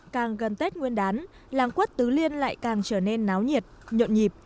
càng gần tết nguyên đán làng quất tứ liên lại càng trở nên náo nhiệt nhộn nhịp